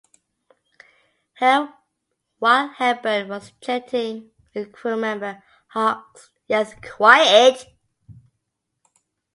While Hepburn was chatting with a crew member, Hawks yelled Quiet!